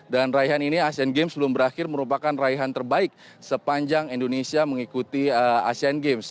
dan raihan ini asean games belum berakhir merupakan raihan terbaik sepanjang indonesia mengikuti asean games